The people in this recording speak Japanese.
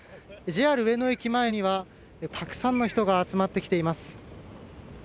上野駅前にはたくさんの人が集まってきています。